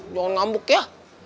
jangan ngambuk ya